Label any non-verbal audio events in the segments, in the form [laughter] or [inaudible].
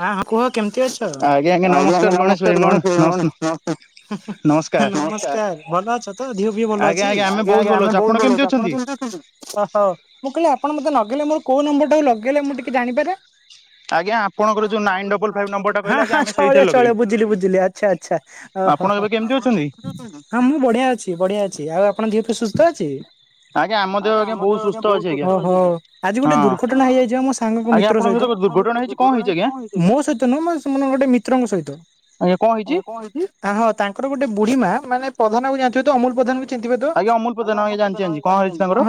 ହଁ ହ କୁହ କେମତି ଅଛ ଆଜ୍ଞା ଗଣେଶ ଭାଇ ନମସ୍କାର ମ ଗଣେଶେ ନମସ ନମସ୍କାର ନମସ୍କାର। ନମସ୍କାର ଭଲ ଅଛ ତ ଦିଅ ଫିଅ ଭଲ ଆଜ୍ଞା ଅଛି ଆମେ ଆଜ୍ଞା ବହୁତ ଆଜ୍ଞା ଭଲ ଆମେ ଅଛୁ ଆପଣ ବହୁତ ଭଲ କେମିତି ଅଛୁ, ଆପଣ ଅଛନ୍ତି? କେମିତି ଅଛନ୍ତିୁ? ହଉ ମୁଁ କହିଲି ଆପଣ ମତେ ଲଗେଇଲେ ମୋର କୋଉ ନମ୍ବର ଟାକୁ ଲଗେଇଲେ ମୁଁ ଟିକେ ଜାଣିପାରେ । ଆଜ୍ଞା‌। ହଁ ହଁ ସେଇଥିରେ ଚଳିବ ଚଳିବ ଲଗେଇଲୁ। ବୁଝିଲି ବୁଝିଲି ଆଚ୍ଛା ଆଚ୍ଛା ଓଃ ହୋ ଆପଣ ଏବେ କେମିତି ଅଛନ୍ତି? ହୋ। ହଁ ମୁଁ ବଢିଆ ଅଛି ବଢିଆ ଅଛି ଆଉ ଆପଣଙ୍କ ଦିଅ ଫିଅ ସୁସ୍ଥ ଅଛି। ଆଜ୍ଞା ଆମ ଦେହ ଆଜ୍ଞା ବହୁତ ସୁସ୍ଥ ଅଛି ଆଜ୍ଞା ଓଃ ହଉ ଆଜି ଗୋଟେ ହଁ ଦୁର୍ଘଟଣା ହେଇଯାଇଚି ପା ମୋ ସାଙ୍ଗଙ୍କ ଆଜ୍ଞା ମିତ୍ର ଆପଣଙ୍କ ସହିତ। ଦୁର୍ଘଟଣା ହେଇଛି କଣ ହେଇଛି ଆଜ୍ଞା? ମୋ ସହିତ ନୁହଁ ସେମାନେ ଗୋଟେ ମିତ୍ରଙ୍କ ସହିତ । ଆଜ୍ଞା କଣ ହେଇଛି? ହଁ ତାଙ୍କର ଗୋଟେ ବୁଢୀ ମା ମାନେ ପଧାନକୁ ଜାଣିଥିବେ ତ ଅମୁଲ ପଧାନ କୁ। ଚେଦିବେ ତ ଆଜ୍ଞା ଅମୁଲ ହଁ ପ୍ରଧାନ ଆଜ୍ଞା ହଁ ଜାଣିଛି ଜାଣିଛି କଣ ହେଇଛି ତାଙ୍କର?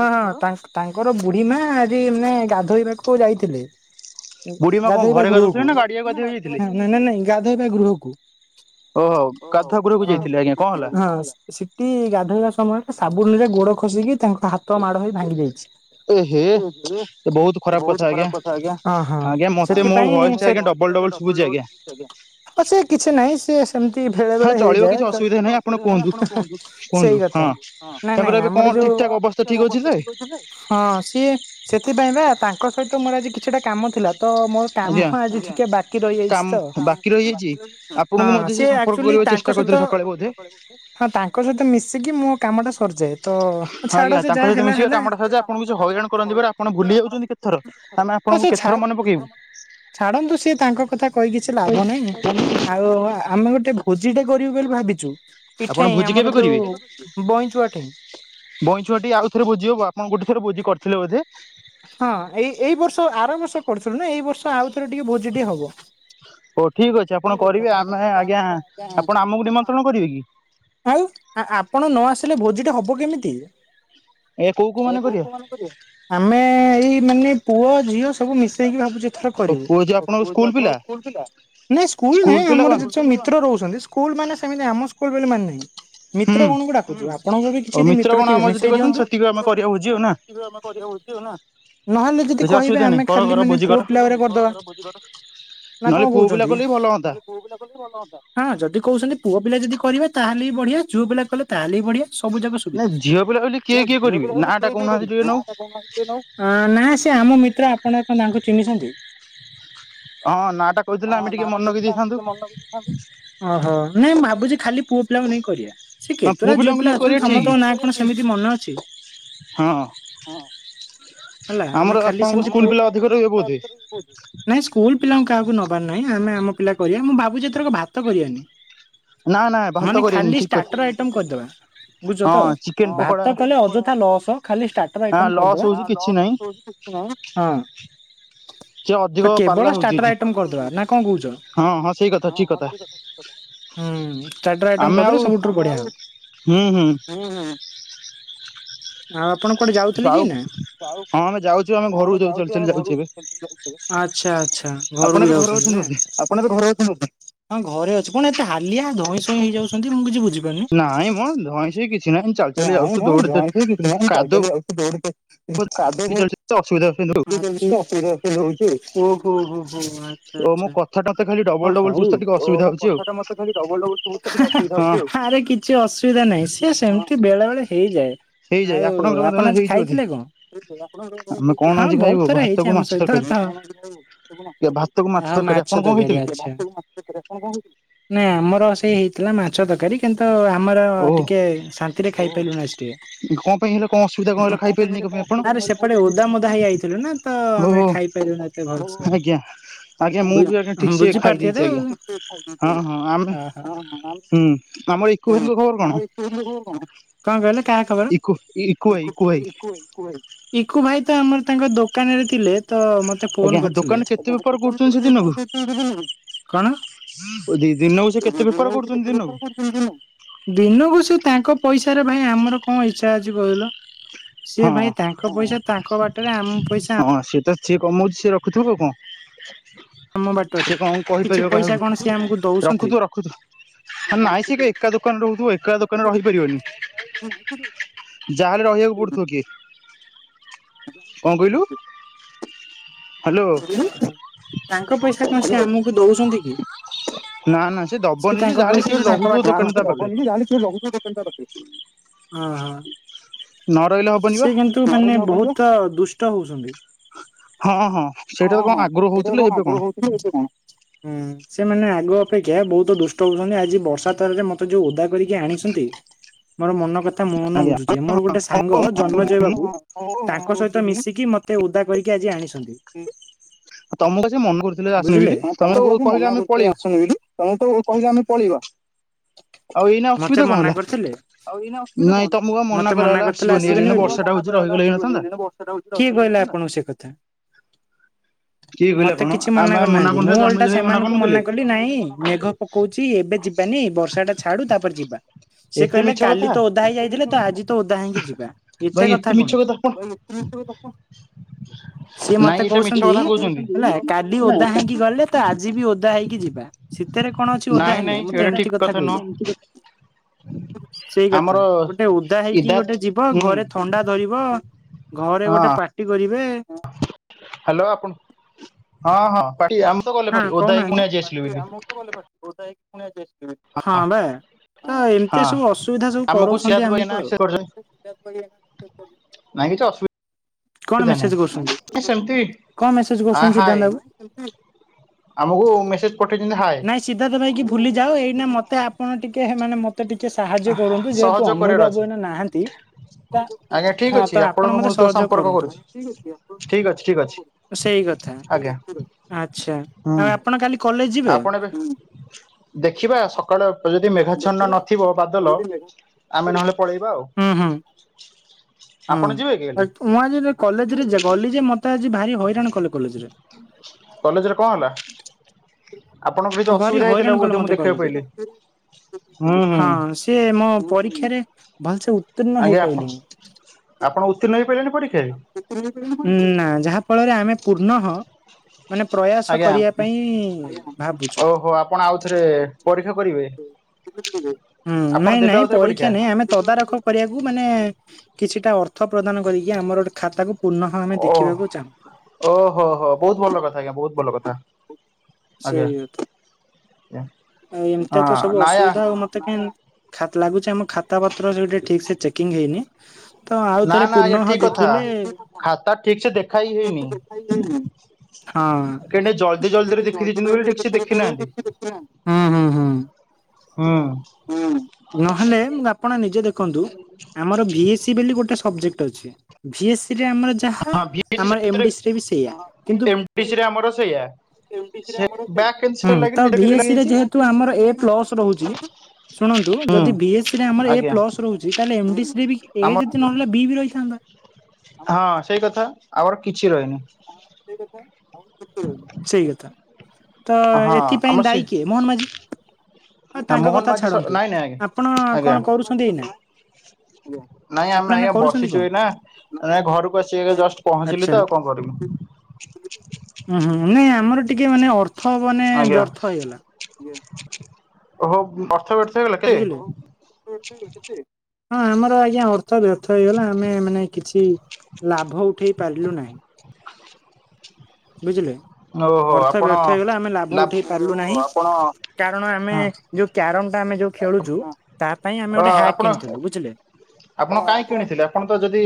ତାଙ୍କ ତାଙ୍କର ବୁଢୀ ମା ଆଜି ମାନେ ଗାଧୋଇ ବାକୁ ଯାଇଥିଲି । ବୁଢୀ ମା କଣ ଗାଧେଇବା ଘରେ ଗୃହକୁ ଗାଧଉଥିଲେ ଗାଡିଆକୁ ନା ଗାଧେଇବାକୁ ଯାଇଥିଲେ? ନା ନାଇଁ ଗାଧେଇବା ଗୃହକୁ। ଓହୋ ହଁ ଗାଧୁଆ ଗୃହକୁ ଯାଇଥିଲେ ଆଜ୍ଞା କଣ ହେଲା? ସିଟିି ଗାଧୋଇବା ସମୟରେ ସାବୁନ ରେ ଗୋଡ ଖସିକି ତାଙ୍କ ହାତ ମାଡ଼ ହୋଇ ଭାଙ୍ଗି ଯାଇଚି। ଏ ହେ ଏ ବହୁତ ଖରାପ କଥା ଆଜ୍ଞା। ଅଁ ହଁ। ଆଜ୍ଞା ମତେ ସେଥି ମୋ ଭଏସ ପାଇଁ ଟା ସେ ଆଜ୍ଞା ଡବଲ ଡବଲ ଶୁଭୁଛି ଆଜ୍ଞା। ସେ କିଛି ନାହିଁ ସେ ସେମତି ଭେଳେ ହଁ ବେଳେ ଚଳିବ ହେଇଯାଏ କିଛି ଅସୁବିଧା ନାହିଁ ଆପଣ କୁହନ୍ତୁ। କୁହନ୍ତୁ ହଁ ସେଇକଥା ନାଇଁ ତାଙ୍କର ନାଇଁ ଏବେ କଣ ଆମର ଠିକ୍ ଯୋଉ। ଠାକ୍ ଅବସ୍ଥା ଠିକ୍ ଅଛି ଯେ ହଁ ସିଏ ସେଥିପାଇଁ ପା ତା ତାଙ୍କ ସହିତ ମୋର ଆଜି କିଛିଟା କାମ ଥିଲା। ତ ମୋର କାମ ଆଜ୍ଞା ହ ଆଜି ଟିକେ ବାକି ରହିଯାଇଚି କାମ ତ ବାକି ରହିଯାଇଛି। ଆପଣଙ୍କୁ ହଁ ମଧ୍ୟ ସେ ସିଏ ସମ୍ପର୍କ ଆକଚ୍ଵଓଲୀ କରିବାକୁ ତାଙ୍କ ଚେଷ୍ଟା ସହିତ କରିଥିଲେ ସକାଳେ ବୋଧେ ହଁ ତାଙ୍କ ସହିତ ମିଶିକି ମୋ କାମ ଟା ସର୍ ଯାଏ। ହଁ ଆଜ୍ଞା ତାଙ୍କ ସହିତ ମିଶିକି କାମଟା ସରିଯାଏ ଆପଣଙ୍କୁ କିଛି ହଇରାଣ କରନ୍ତି ପରା ଆପଣ ଭୁଲି ଯାଉଛନ୍ତି କେତଥର। ଆପଣଙ୍କୁ କେତଥର ମନେ କେତଥର ପକେଇବୁ ମନେ ଛାଡନ୍ତୁ ସିଏ ତାଙ୍କ କଥା କହି କିଛି ଲାଭ ନାହିଁ ଆଉ ଆମେ ଗୋଟେ ଭୋଜିଟେ କରିବୁ ବୋଲି ଭାବିଚୁ ଆପଣ ଇଠାଇଁ ଭୋଜି କେବେ ଆମର ଯୋଉ ବଇଁଚୁଆ ଠି। ବଇଁଚୁଆଟି ଆଉ ଥରେ ଭୋଜି ହବ, ଆପଣ ଗୋଟେ ଥରେ ଭୋଜି କରିଥିଲେ ବୋଧେ। ହଁ ଏଇ ଏଇ ବର୍ଷ ଆର ବର୍ଷ କରୁଥୁଲୁ ନା ଏଇ ବର୍ଷ ଆଉ ଥରେ ଟିକେ ଭୋଜି ଟିଏ ହବ। ହଉ ଠିକ୍ ଅଛି ଆପଣ କରିବେ ଆମେ ଆଜ୍ଞା, ଆପଣ ଆମକୁ ନିମନ୍ତ୍ରଣ କରିବେ କି? ଆଉ ଆ ଆପଣ ନ ଆସିଲେ ଭୋଜିଟା ହବ କେମିତି । ଏ କୋଉ କୋଉ ମାନେ କରିବା। ଆମେ ଏଇ ମାନେ ପୁଅ ଝିଅ ସବୁ ମିଶେଇକି ଭାବୁଚୁ ଏଥର କରିବୁ। ପୁଅ ଝିଅ ଆପଣଙ୍କ ସ୍କୁଲ ପିଲା ନାଇଁ ସ୍କୁଲ ନାହିଁ ପିଲା ଆମର କଣ? ଯେତେ ସବୁ ମିତ୍ର ରହୁଛନ୍ତି ସ୍କୁଲ ମାନେ ସେମିତି ଆମ ସ୍କୁଲ ବୋଲି ମାନେ ନାହିଁ। ମିତ୍ର ହୁଁ ଗଣଙ୍କୁ ଡାକୁଚୁ ଆପଣଙ୍କର ବି କିଛି ଆଉ ଦି ମିତ୍ର ଗଣ ଥିବେ ଆମର ମିଶେଇ ଯେତିକି ଅଛନ୍ତି ଦିଅନ୍ତୁ। ସେତିକି ଆମେ କରିବା ଭୋଜି ଆଉ ନା। ନହେଲେ ଯଦି କିଛି କହିବେ ଅସୁବିଧା ଆମେ ନାହିଁ କର ଖାଲି କର ମାନେ ଭୋଜି ପୁଅ କର ପିଲାଗୁଡା କରିଦବା। ନା ନହେଲେ କଁ ପୁଅ ପିଲା କହୁଚନ୍ତି କଲେ ବି ଭଲ ହୁଅନ୍ତା। ଯଦି କହୁ ଚନ୍ତି ପୁଅ ପିଲା ଯଦି କରିବେ ତାହେଲେ ବି ବଢିଆ ଝୁଅ ପିଲା କଲେ ତାହେଲେ ବି ବଢିଆ ସବୁ ଯାକ ନାଇଁ ସୁବିଧାି ଝିଅ ପିଲା ବୋଲି [inaudible] କିଏ ଏ କିଏ ଝିଅ କରିବେ ପିଲା ହେଉଚି ନାଁ ଟା କିଏ କିଏ କହୁନାହାନ୍ତି କରିବେ? ଟିକେ ନାଁ ନାକୁ ଟା କହୁନ। ଅଁ ନାଁ ସେ ଆମ ମିତ୍ର ଆପଣ କଁ ତାଙ୍କୁ ଚିହ୍ନିଛନ୍ତି? ହଁ ନାଁ ଟା [inaudible] କହିଥିଲେ ହଁ ଆମେ ହଁ ଟିକେ ନାଁ ଟା ମନେ ରଖି କହିଥିଲେ ଆମେ ଦେଇଥାନ୍ତୁ ଟିକେ ମନ [inaudible] ଥାନ୍ତୁ ଓଃ ହୋ ନାଁଇ ମା ଲାଗୁଚି ଖାଲି ପୁଅ ପିଲାଙ୍କୁ ନେଇ କରିଆ। ସେ ହଁ ପୁଅ କେତୁରା ଝିଅ ପିଲାଙ୍କୁ ପିଲା ନେଇ ଅଛନ୍ତି, କରିବା ଠିକ୍ ସମସ୍ତଙ୍କ ନାଁ କଣ ସେମିତି ମନେ ଅଛି ହଁ [inaudible] ହଁ ହଁ [inaudible] ହେଲା ଆମେ ଆମର ଖାଲି ଆପଣଙ୍କ ସେମତି ସ୍କୁଲ ପୁଅ ପିଲା ଅଧିକ ରହିବେ ଆମର ସବୁ ସ୍କୁଲ୍ ପିଲା ବୋଧେ ଆସି ପାରିବେନି ବହୁତ୍ ନାଇଁ ସ୍କୁଲ ପିଲାଙ୍କୁ କାହାକୁ ନବାର ନାହିଁ, ଆମେ ଆମ ପିଲା କରିଆ, ମୁଁ ଭାବୁଚି ଏଥରକ ଭାତ କରିଆନି । [inaudible] ମାନେ କରିବେନି ଖାଲି ଠିକ୍ କଥା। ଷ୍ଟାର୍ଟର ଆଇଟମ କରିଦବା ବୁଝଛ ହଁ ତ ଚିକେନ ପକୋଡା ଭାତ କଲେ ଅଯଥା ଲସ ଖାଲି ଷ୍ଟାଟର ହଁ ଆଇଟ ଲସ୍ ହଉଛି କିଛି ନାହିଁ ହଁ ଲସ- [inaudible] ପାଲା କେବଳ ହଉଛି ଷ୍ଟାର୍ଟ ଆଜି। ଆଇଟମ କରିଦେବା ନା କଣ କହୁଛ? ହଁ ହଁ ସେଇ କଥା ଠିକ୍ କଥା ହୁଁ ଷ୍ଟାଟର ଆଇଟମ ଆମେ ଆଉ କରିଦେଲେ ସବୁଠାରୁ ବଢିଆ ଆଉ ହୁଁ ହୁଁ ଆପଣ ଯାଉଥିଲେ କି ଆଉ ଏଇନା ଆଉ। ହଁ ଆମେ ଯାଉଛୁ ହଁ ଘରକୁ ଆମେ ଯାଉ ଚାଲି ଯାଉଛ ଚାଲି ଆମ ଯାଉଛୁ ଏବେ ଆଛା ଆଛା ଆପଣ ଘରକୁ ଏବେ ଘରେ ଯାଉଛନ୍ତି ଅଛନ୍ତି ନା ବୋଧେ? ଆପଣ? ହଁ ଘରେ ଅଛି କଣ ଏତେ ହାଲିଆ ଧଇଁ ସଇଁ ହେଇଯାଉଛନ୍ତି ମୁଁ କିଛି ବୁଝିବି। ନାଇଁ ମ ଧଇଁ ସେଇ କିଛି ନହିଁ ଚାଲି ଚାଲି ଯାଉଛ ଦୌଡି କାଦ ଦ କାଧ ଅ ହଉଛି ଅସୁବିଧା ହଉଛନ୍ତି ଓ ହୋ ହୋ ହୋ ଆଚ୍ଛା ଆଛା। ଓ ହ ମୋ କଥାଟା ହଉ ମତେ ଖାଲି ଡବଲ ମୋ ଡବଲ ଶୁଭୁଛି ତ କଥା ଟିକେ ଅସୁବିଧା ଟା ହଉଛି ଆଉ ମତେ ଖାରେ କିଛି ହଁ ଅସୁବିଧା ନାହିଁ। ଯେ ସେମିତି ବେଳେ ବେଳେ ହେଇଯାଏ। ହେଇଯାଏ ଆଉ ଆପଣ ଆଜି ଆପଣଙ୍କର ହେଇଛି ବୋଧେ ଖାଇଥିଲେ ଆମେ କଣ କଣ ହଁ ଆଜି ବହୁତ ଖାଇବୁ ଥର ହେଇଛି ଭାତକୁ ଆମ ମାଛ ସହିତ ତରକାରୀ ଏ ଭାତକୁ ହଁ ତରକାରୀ ମାଛ ଆପଣ କଣ ତରକାରୀ ଖାଇଥିଲେ ଆଛା ନାଇ ଆମର ସେଇ ହେଇଥିଲା ମାଛ ଗଛ ତରକାରୀ କିନ୍ତୁ ଆମର ଓହୋ ଟିକେ ଶାନ୍ତିରେ ଖାଇପାରିଲୁ ନାହି ଟିକେ କଣ ପାଇଁ ହେଲେ କଣ ଅସୁବିଧା କଣ ହେଲା? ଖାଇପାରିଲେନି କଣ ପାଇଁ ଆପଣ ନାରେ ସେପଟେ ଓଦା ମଦା ହେଇଯାଇଥିଲୁ ନା ତ ଆମେ ଓହୋ ଖାଇପାରିଲୁ ନା ଏତେ ଭଲସ ଆଜ୍ଞା ଆଜ୍ଞା ମୁଁ ବି ଆଜ୍ଞା ଠିକ ସେ ଖାଇ ବୁଝିପାରଥ ଦେଇଛି ଆଜ୍ଞା ହଁ ହଁ ଆମେ ହୁଁ ଆମର ଇକୁ ଭାଇଙ୍କ ଖବର ହଁମ ଇକୋ ଇକୁ ଭାଇ ତ ଆମର ତାଙ୍କ ଦୋକାନରେ ଥିଲେ। ତ ମତେ ଆଜ୍ଞା ଫୋନ କରିଥିଲେ। ଦୋକାନ କେତେ ବେପାର କରୁଛନ୍ତି ସେ ଦିନକୁ କଣ ଦିନକୁ ସେ କେତେ ବେପାର କରୁଛନ୍ତି ଦିନକୁ ଦିନକୁ ସେ ତାଙ୍କ ପଇସାରେ ଭାଇ ଆମର କଣ ଇଚ୍ଛା ଅଛି କହିଲ? ସେ ହଁ ଭାଇ ତାଙ୍କ ପଇସା ତାଙ୍କ ବାଟରେ ଆମ ପଇସା ହଁ ସିଏ ତ ସିଏ କମାଉଛି ସିଏ ରଖୁଥିବ ଆଉ କଣ? ଆମ ବାଟରେ। ସେଏ କଣ କିଛି କହିପାରିବ କାହାକୁ ପଇସା କଣ ସେ ଆମକୁ ଦଉଛନ୍ତି? ରଖୁଥିବ ରଖୁଥିବା। ନାଇଁ ସେ ଏକା ଦୋକାନରେ ରହୁଥିବ ଏକା ଦୋକାନରେ ରହିପାରିବନି। ଯାହାଲେ ରହିବାକୁ ପଡୁଥିବ କି କଣ କହିଲୁ? ହ୍ୟାଲୋ ତାଙ୍କ ପଇସା କଣ ସେ ଆମକୁ ଦଉଛନ୍ତି କି? ନା ନା ସେ ଦବନି ଯେ ତାଙ୍କ ଯାହାହେଲେ କିଏ ରହୁଥିବ ଦୋକାନ ତା ପାଖରେ [unintelligible] ହଁ ହଁ ନ ରହିଲେ ହବନି ବା ସେ କିନ୍ତୁ ମାନେ ବହୁତ ଦୁଷ୍ଟ ହଉଛନ୍ତି। ହଁ ହଁ ସେଇଟା ତ କଣ ହଁ ଆଗରୁ ସେଟା ହଉଥିଲେ କଣ ଏବେ ଆଗ୍ରହ ହଉଥିଲେ ଏ କଣ? ସେମାନେ ଆଗ ଅପେକ୍ଷା ଆଜ୍ଞା ବହୁତ ଦୁଷ୍ଟ ହଉଛନ୍ତି ଆଜି ବର୍ଷା ତାରରେ ମତେ ଯୋଉ ଓଦା କରିକି ଆଣିଛନ୍ତି ମୋର ମନ କଥା ମନ ଆଜ୍ଞା ବୁଝୁଛି ମୋର ଗୋଟେ ସାଙ୍ଗ ଜନ୍ମଜୟ ବାବୁ ତାଙ୍କ ସହିତ ମିଶିକି ମେ ତେ ଓଦା କରିକି ଆଜି ଆଣିଛନ୍ତି। ତମକୁ ସେ ମନେ କରୁଥିଲେ ଆସିନି ବୁଝିଲେ ବୋଲି ତମେ ତ ତମକୁ ଆ କହିଲେ ମନା ଆମେ କରୁଥିଲେ ପଳେଇବୁ ଆସୁନ ବୋଲି ତମେ ତ କହିଲେ ଆମେ ପଳେଇବା। ଆଉ ଏଇନା ମତେ ଅସୁବିଧା କଣ ମନା ହେଲା କରିଥିଲେ। ଆଉ ଏଇନା ଅସୁବିଧା ନାଇଁ କଣ ତମକୁ ଆଉ ହେଲା। ମନା କରାହେଲା କରିଥିଲେ ଆସିବନି ଏଇନା ଆସିବେନି ବୋଲି। ବର୍ଷାଟା ହଉଛି ମନାକରିଲ ରହିଗଲେ ଆସିବନି ହେଇନଥାନ୍ତା ବୋଲି ବର୍ଷା ଟା ହଉଚି ରହିଯିବା କିଏ କହିଲା ଆପଣଙ୍କୁ ସେ କଥା। କିଏ କହିଲା ମତେ କଣ କିଛି ମନା ଆମେ କରିନାହାନ୍ତି। ମୁଁ କରୁନଥିଲେ ଓଲଟା ଜନ୍ମେଜୟ ଭାଇ ସେମାନଙ୍କୁ କରୁନଥିଲେ ମନା କଲି ନାଇଁ ମେଘ ପକଉଛି ଏବେ ଯିବାନି ବର୍ଷା ଟା ଛାଡୁ ତାପରେ ଯିବା। ସେ ଏତେ କହିଲେ ମିଛ କାଲି କଥା ତ ଓଦା ହେଇ ଯାଇଥିଲେ। ତ ଆଜି ତ ଓଦା ହେଇକି ଯିବା ଏତେ କଥା କଣ? ହ ସିଏ ମତେ କହୁଛନ୍ତି କହୁଛନ୍ତି। ହେଲା କାଲି ଓଦା ହେଇକି ଗଲେ। ତ ଆଜି ବି ଓଦା ହେଇକି ଯିବା ଶୀତରେ କଣ ଅଛି। ଓଦା ନାଇଁ ହେଲେ ନାଇଁ ମତେ ଏଇଟା ଠିକ ଏମିତି କଥା ନୁହଁ କହିଲି। ସେଇ କଥା ଆମର ଗୋଟେ ଓଦା ହେଇକି ଇଦାତ ଗୋଟେ ଯିବ ହୁଁ ଘରେ ଥଣ୍ଡା ଧରିବ। ଘରେ ହଁ ଗୋଟେ ପାର୍ଟି କରିବେ। ହ୍ୟାଲୋ ଆପଣ ହଁ ହଁ ପାଟି ଆମେ ତ ଗଲେ ପାଟି ହଁ ଓଦା ହେଇକି ପୁଣି କହୁନାହାନ୍ତି ଆଜି ଆସିଲୁ ପାଟି ବୋଲି ଆମକୁ ତ ଗଲେ ଓଦା ହେଇକି । ହଁ ବା। ତ ହଁ ଏମିତିଆ ସବୁ ଅସୁବିଧା ସବୁ ଆମକୁ ସିରାଜ କରଉଛନ୍ତି ଭାଇ ଏଇନା ଆମକୁ ଆଉ। ମେସେଜ କରିଛନ୍ତି ନାଇଁ କିଛି ଅସୁ କଣ ମେସେଜ କରୁଛନ୍ତି ସେମିତି କଣ ମେସେଜ ଆ କରୁଛନ୍ତି ହାଏ ସିଦ୍ଧାନ୍ତ ବାବୁ। ଆମକୁ ମେସେଜ ପଠେଇଛନ୍ତି ହାଏ ନାଇଁ ସିଧା ତ ଭାଇକି ଭୁଲି ଯାଅ। ଏଇ ମତେ ଆପଣ ଟିକେ ହେ ମାନେ ମ ତ ଟିକେ ସାହାଯ୍ୟ କରନ୍ତୁ। ଯେହେତୁ ସହଯୋଗ ଅମୁଲ କରିବାର ବାବୁ ଅଛି ଏଇନା ନାହାନ୍ତି। ହଁ ତ ଆପଣ ମତେ ସହଯୋଗ ଉପରକୁ କରନ୍ତୁ। କରୁଛି ଠିକ ଅଛି ଠିକ ଅଛି। ସେଇ କଥା ଠିକ ଆଜ୍ଞା ଅଛି ଠିକ ଅଛି। ଆଛା ହୁଁ ଆଉ ଆପଣ କାଲି କଲେଜ ଯିବେ। ଆପଣ ଏବେ ହୁଁ । ଦେଖିବା ସକାଳେ ଯଦି ମେଘା ଛନ ନଥିବ ବାଦ ଲ ଆମେ ନହେଲେ ପଳେଇବା ଆଉ। ହୁଁ ହୁଁ ହୁଁ ଆପଣ ଯିବେ କି କାଲି? ଆ ମୁଁ ଆଜି କଲେଜ ରେ ଗଲି ଯେ ମତେ ଆଜି ଭାରି ହଇରାଣ କଲେ କଲେଜ ରେ। କଲେଜରେ କଣ ହେଲା। ଆପଣଙ୍କର କିଛି ଭାରି ଅସୁବିଧା ହଇରାଣ ହେଇଥିଲା କଲେ ବୋଧେ? ମତେ ମୁଁ ଦେଖିବାକୁ କଲେଜରେ। ପାଇଲି। ହୁଁ ହୁଁ ହଁ ସିଏ ମୋ ପରୀକ୍ଷାରେ ଭଲସେ ଉତ୍ତୀର୍ଣ ଆଜ୍ଞା ଆପଣ ହେଇପାଇଲୁନି। ଆପଣ ଉତିନ ନା ଯାହା ଫଳରେ ଆମେ ପୂର୍ଣ୍ଣ ହ ମାନେ ପ୍ରୟାସ ଆଜ୍ଞା କରିବା ପାଇଁ ଭାବୁଚୁ। ଓହୋ ଆପଣ ଆଉଥରେ ପରୀକ୍ଷା କରିବେ ହୁଁ ଆପଣ ନାଇଁ ଦେବେ ନାଇଁ ଆଉଥରେ ପରୀକ୍ଷା ନାଇଁ ଆମେ ତଦାରଖ କରିବାକୁ ମାନେ କିଛିଟା ଅର୍ଥ ପ୍ରଦାନ କରିକି ଆମର ଗୋଟେ ଖାତାକୁ ପୁନଃ ଆମେ ଓହ ଦେଖିବାକୁ ଚାହୁଁ। ଓହୋ ହୋ ବହୁତ ଭଲ କଥା ଆଜ୍ଞା ବହୁତ ଭଲ କଥା। ଆଜ୍ଞା। ସେଇଆ ତ। ଆ ଏମିତିଆ ହଁ ତ ସବୁ ନାୟା ଅସୁବିଧା ଆଉ। ମତେ କାହିଁ ଖାତ ଲାଗୁଚି ଆମ ଖାତା ପତ୍ର ସେ ଠିକ ସେ ଚେକିଂ ହେଇନି। ତ ଆଉ ନା ଥରେ ନା ଆଜ୍ଞା ପୁର୍ଣଃ ଠିକ କଥା। ଦେଖିଲେ। ଖାତା ଠିକ ସେ ଦେଖା ହି ହେଇନି। [inaudible] ହଁ କେନେ ଜଲ୍ଦି [inaudible] ଜଲ୍ଦିରେ ହଁ।। ଦେଖି ଦେଇଛନ୍ତି ବୋଲି ଠିକ ସେ ଦେଖି ନାହାନ୍ତି। ହୁଁ ହୁଁ ହୁଁ। ହୁଁ ନହେଲେ ମୁଁ ଆପଣ ନିଜେ ଦେଖନ୍ତୁ ଆମର ଭି ଏ ସି ବୋଲି ଗୋଟେ ସବଜେକ୍ଟ ଅଛି। ଭି ଏ ସ୍ ସେଥିରେ ଆମର ଯାହା ହଁ ଭିଏସି ଆମର ଏମ ସେଥିରେ ଡି ସି ରେ ବି ସେଇୟା। କିନ୍ତୁ ଏମଡିସି ରେ ଆମର ସେଇଆ। ଏମ ବି ସି ରେ ସେ ଆମର ସେଇଆ ବ୍ୟାକ୍ କେମିତି ସେଲ ।ହଁ ଲାଗିନି ତ ନିଜ ଭି କେମିତି ଏ ସି ରେ ଲାଗିଯାଇଛି ଯେହେତୁ ଆମର ଏ ପ୍ଲସ ରହୁଛି। ଶୁଣନ୍ତୁ ହୁଁ ଯଦି ଭି ଏ ସି ରେ ଆମର ଏ ଆଜ୍ଞା ପ୍ଲସ ରହୁଚି। ତାହେଲେ ଏମ ଡି ସି ରେ ବି ଆମ ଏ ଯଦି ନହେଲେ ବି ରହିଥାନ୍ତା। ହଁ ସେଇ କଥା ଆମର କିଛି ରହିନି। ସେ କଥା ଆଉ କିଛି ରହିନି ସେଇ କଥା। ତ ହଁ ଆମର ଏଥିପାଇଁ ସେ ଦାୟୀ କିଏ ମୋହନ ମାଝି। ହଁ ତାଙ୍କ ମୋହନ କଥା ମାଝି ସ ଛାଡନ୍ତୁ ନାଇଁ ନାଇଁ ଆଜ୍ଞା ଆପଣ ଆଜ୍ଞା କଣ କରୁଛନ୍ତି ଏଇନା। ନାଇଁ ଆପଣ ଆମେ ଏଇନା ଆଜ୍ଞା କରୁଛନ୍ତି ବସିଛୁ କଣ ଏଇନା। ନାଇଁ ଘରକୁ ଆସିକି ଏଇ ଜଷ୍ଟ ପହଞ୍ଚିଲି ତ ଆଉ କଣ କରମି। ହୁଁ ହୁଁ ନାଇଁ ଆମର ଟିକେ ମାନେ ଅର୍ଥ ମାନେ ଆଜ୍ଞା ବ୍ୟର୍ଥ ହେଇଗଲା। ଓହୋ ବୁ ତ ବୁଝିଲୁ। ହଁ ଆମର ଆଜ୍ଞା ଅର୍ଥ ବ୍ୟର୍ଥ ହେଇଗଲା ଆମେ ମାନେ କିଛି। ଲାଭ ଉଠେଇ ପାରିଲୁ ନାହିଁ। ବୁଝିଲେ ଓହୋ ଅର୍ଥ ଆପଣ ବ୍ୟର୍ଥ ହେଇଗଲା ଆମେ ଲାଭ ଉଠେଇ ପାରିଲୁ ନାହିଁ। କାରଣ ଆମେ ହଁ ଯୋଉ କ୍ୟାରମ ଟା ଆମେ ଯୋଉ ଖେଳୁଛୁ ତା ପାଇଁ ଆମେ ଓ ଗୋଟେ ହ୍ୟାକ୍ ଆପଣ କିଣିଥିଲୁ। ବୁଝିଲେ? ହଁ କାହିଁ ଆପଣ କିଣିଥିଲେ ତ ଯଦି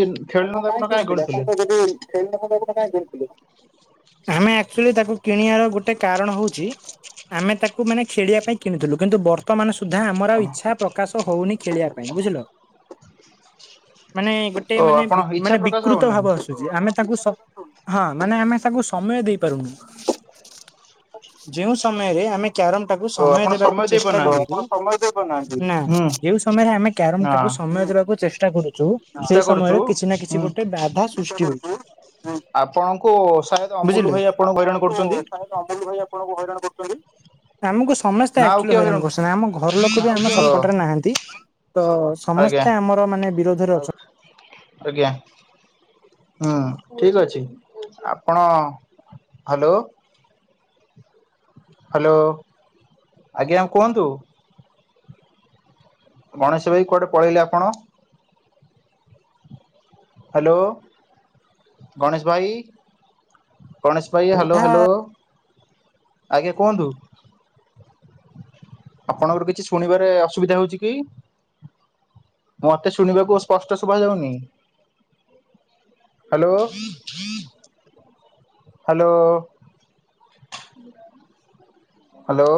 ଆପଣ ଖେଳିନଥାନ୍ତେ କାହିଁକି କାହିଁ କିଣିଥିଲେ ଆପଣ ତ ଯଦି ଖେଳି ନଥାନ୍ତେ ଆକୁ ମାନେ ଜୁ ଥିଲେ ତ [inaudible] ଆମେ ଆକଚୁଆଲି ତାକୁ କିଣିବାର ଗୋଟେ କାରଣ ହଉଛି ଆମେ ତାକୁ ମାନେ ଖେଳିବା ପାଇଁ କିଣିଥିଲୁ କିନ୍ତୁ ବ ବର୍ତ୍ତମାନ ସୁଦ୍ଧା ଆମର ଆଉ ଇଚ୍ଛା ପ୍ରକାଶ ହଉନି ଖେଳିବା ପାଇଁ ବୁଝିଲ। [inaudible] ମାନେ ଗୋଟେ ଓ ମାନେ ଆପଣ ବି ଇଚ୍ଛା ମାନେ ପ୍ରକାଶ ବିକୃତ ହଉନି ଭାବ ଆସୁଛି ଆମେ ତାଙ୍କୁ ସ ହଁ ମାନେ ଆମେ ତାଙ୍କୁ ସମୟ ଦେଇପାରୁନୁ ଯେଉଁ ସମୟରେ ଆମେ କ୍ୟାରମ ଟାକୁ ଓ ସମୟ ଆପଣ ଦେବାକୁ ଦେଇ ଚେଷ୍ଟା ପାରୁନାହାନ୍ତି କରୁଚୁ ନା ହୁଁ ଯେଉ ସମୟରେ ଆମେ କ୍ୟାରମ ହଁ ଟାକୁ- ସମୟ ଦେବାକୁ ଚେଷ୍ଟା କରୁଛୁ ଚିନ୍ତା ସେଇ କରୁଛୁ ସମୟରେ କିଛି ନା କିଛି ହୁଁ ଗୋଟେ ବାଧା ସୃଷ୍ଟି ହଉଛି। ଆପଣଙ୍କୁ ସାୟଦ ଅମୁଲ ବୁଝିଲେ ଭାଇ ଆପଣଙ୍କୁ ହଇରାଣ ଆମକୁ କରୁଛନ୍ତି ସମସ୍ତେ ଆକଚୁଆଲି ନା ଆଉ କିଏ ହଇରାଣ କରୁଛନ୍ତି ଆମ ଘର ଲୋକ ବି ଆମ ଓ ସପଟରେ ନାହାନ୍ତି। ତ ଆଜ୍ଞା ସମସ୍ତେ ଆମର ମାନେ ବିରୋଧ ରେ ଆଜ୍ଞା। ହଁ ଠିକ୍ ଅଛି ଆପଣ ହାଲୋ। ହାଲୋ ଆଜ୍ଞା କୁହନ୍ତୁ। ଗଣେଶ ଭାଇ କୁଆଡେ ପଳେଇଲେ ଆପଣ? ହାଲୋ ଗଣେଶ ଭାଇ। ଗଣେଶ ଭାଇ ହାଲୋ ଯାହା ହାଲୋ ଆଜ୍ଞା କୁହନ୍ତୁ। ଆପଣଙ୍କର କିଛି ଶୁଣିବାରେ ଅସୁବିଧା ହଉଛି କି? ମତେ ଶୁଣିବାକୁ ସ୍ପଷ୍ଟ ଶୁଭା ଯାଉନି। ହାଲୋ। Hello hello.